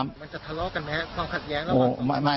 มันจะทะเลาะกันไหมความขัดแย้งแล้ว